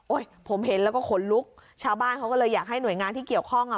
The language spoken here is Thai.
ผมเห็นแล้วก็ขนลุกชาวบ้านเขาก็เลยอยากให้หน่วยงานที่เกี่ยวข้องอ่ะ